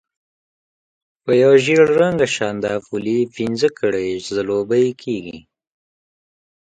په یو ژېړ رنګه شانداپولي پنځه کړۍ ځلوبۍ کېږي.